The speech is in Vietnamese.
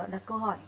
đặt câu hỏi